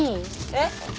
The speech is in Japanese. えっ？